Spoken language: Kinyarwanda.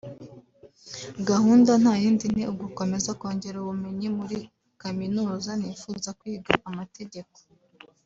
Gahunda nta yindi ni ugukomeza kongera ubumenyi […] Muri Kaminuza nifuza kwiga amategeko